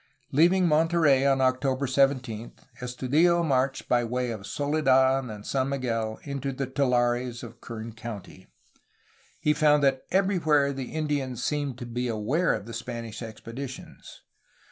Leaving Monterey on October 17, Estudillo marched by way of Soledad and San Miguel into the tulares of Kern County. He found that everywhere the Indians seemed to be aware of the Spanish expeditions.